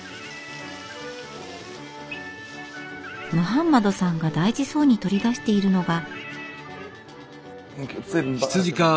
ムハンマドさんが大事そうに取り出しているのが。